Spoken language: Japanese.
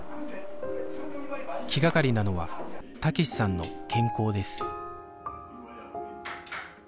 気がかりなのは武志さんの健康です